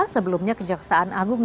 sebelumnya kejaksaan agung